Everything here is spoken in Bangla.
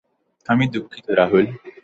আমি দুঃখিত রাহুল।